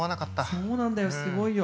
そうなんだよすごいよ。